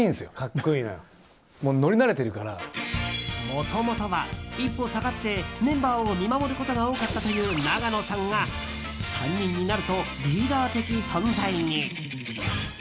もともとは一歩下がってメンバーを見守ることが多かったという長野さんが３人になるとリーダー的存在に。